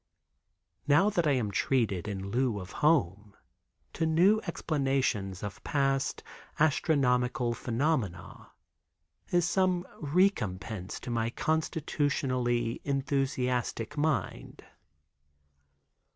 Now that I am treated, in lieu of home, to new explanations of past astronomical phenomena, is some recompense to my constitutionally enthusiastic mind.